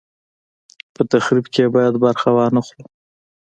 په تخریب کې یې باید برخه وانه خلو.